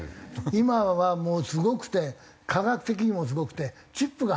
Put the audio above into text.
今はもうすごくて科学的にもすごくてチップが入ってたりね。